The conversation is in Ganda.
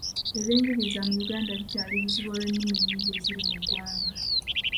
Ebyengigiriza mu Yuganda bikyali bizibu olw'ennimi ennyingi eziri mu gwanga.